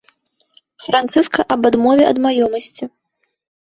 Францыска аб адмове ад маёмасці.